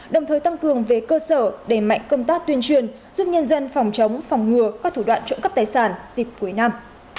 đồng thời tăng cường về cơ sở đẩy mạnh công tác tuyên truyền giúp nhân dân phòng chống phòng ngừa các thủ đoạn trộm cắp tài sản dịp cuối năm